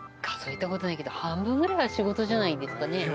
数えたことないけど半分ぐらいは仕事じゃないですかね。